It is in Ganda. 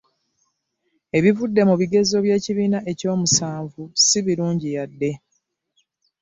Ebivudde mu bigezo by'ekibiina oky'omusanvu si birungu yadde.